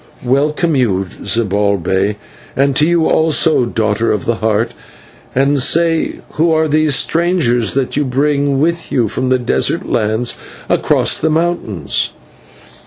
Welcome to you, Zibalbay, and to you also, Daughter of the Heart and say, who are these strangers that you bring with you from the desert lands across the mountains?"